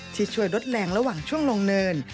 ช่วยลดแรงระหว่างช่วงลงเนิน